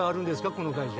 この会社。